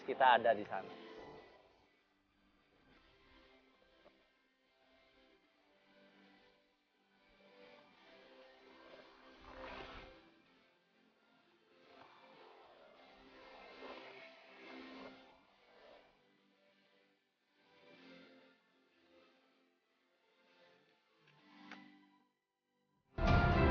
kita ada di sana